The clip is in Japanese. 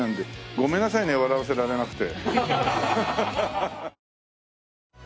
ごめんなさいね笑わせられなくて。